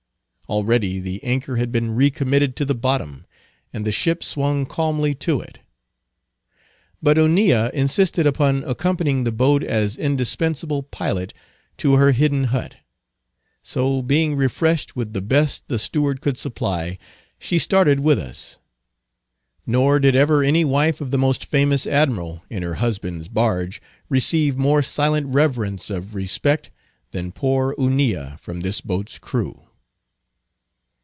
Already the anchor had been recommitted to the bottom, and the ship swung calmly to it. But Hunilla insisted upon accompanying the boat as indispensable pilot to her hidden hut. So being refreshed with the best the steward could supply, she started with us. Nor did ever any wife of the most famous admiral, in her husband's barge, receive more silent reverence of respect than poor Hunilla from this boat's crew.